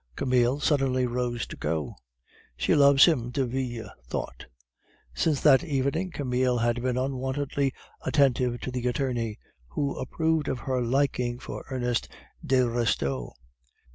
Camille suddenly rose to go. "She loves him," Derville thought. Since that evening, Camille had been unwontedly attentive to the attorney, who approved of her liking for Ernest de Restaud.